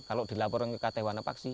kalau dilaporin ke kth wanapaksi